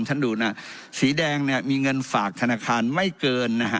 ดูนะสีแดงเนี่ยมีเงินฝากธนาคารไม่เกินนะฮะ